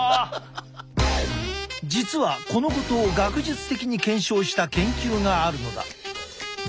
実はこのことを学術的に検証した研究があるのだ。